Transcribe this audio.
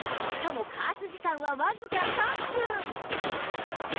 しかも加圧時間はわずか３分